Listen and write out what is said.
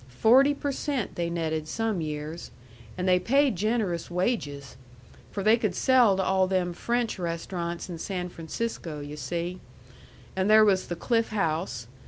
Forty per cent they netted some years. And they paid generous wages. For they could sell to all them French restaurants in San Francisco, yu' see. And there was the Cliff House.